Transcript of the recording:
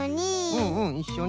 うんうんいっしょに。